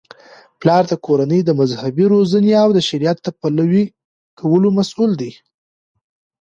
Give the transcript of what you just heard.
پلار د کورنی د مذهبي روزنې او د شریعت د پلي کولو مسؤل دی.